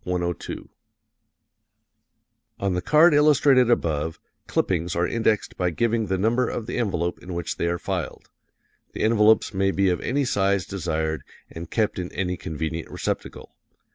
102 ] On the card illustrated above, clippings are indexed by giving the number of the envelope in which they are filed. The envelopes may be of any size desired and kept in any convenient receptacle.